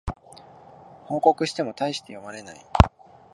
報告してもたいして読まれない